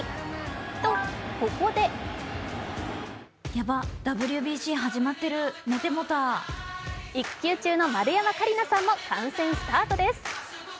と、ここで育休中の丸山桂里奈さんも観戦スタートです。